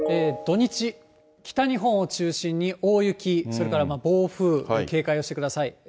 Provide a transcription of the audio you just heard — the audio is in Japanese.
土日、北日本を中心に大雪、それから暴風、警戒をしてください。